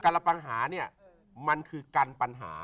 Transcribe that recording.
การระปัญหามันคือกันปัญหา